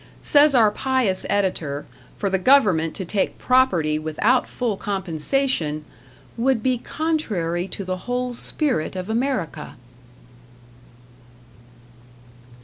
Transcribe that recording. Says our pious editor, for the government to take property without full compensation "would be contrary to the whole spirit of America."